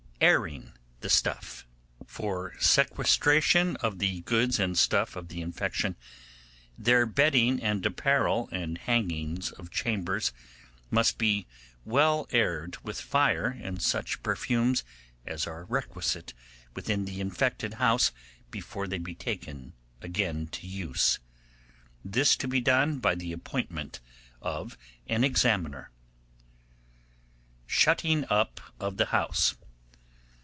Airing the Stuff. 'For sequestration of the goods and stuff of the infection, their bedding and apparel and hangings of chambers must be well aired with fire and such perfumes as are requisite within the infected house before they be taken again to use. This to be done by the appointment of an examiner. Shutting up of the House.